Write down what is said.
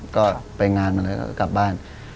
ก็ไปงานมาเลยก็กลับบ้าน